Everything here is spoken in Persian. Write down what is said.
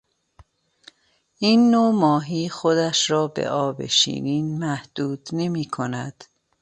این نوع ماهی خودش را به آب شیرین محدود نمیکند.